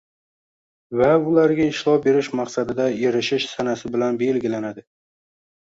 va ularga ishlov berish maqsadiga erishish sanasi bilan belgilanadi.